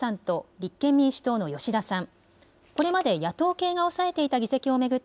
立憲民主党の吉田さん。